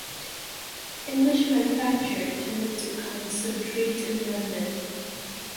English manufacture tended to concentrate in London.